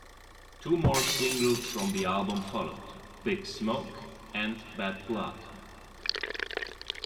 Two more singles from the album followed: "Big Smoke" and "Bad Blood".